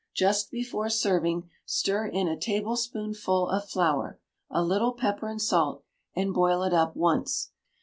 Just before serving, stir in a tablespoonful of flour, a little pepper and salt, and boil it up once.